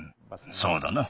そうだな。